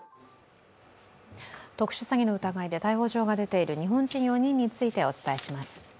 特殊詐欺の疑いで逮捕状が出ている日本人４人についてお伝えします。